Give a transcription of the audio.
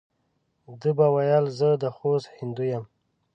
ده به ویل زه د خوست هندو یم.